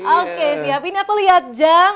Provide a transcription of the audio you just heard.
oke siapin aku lihat jam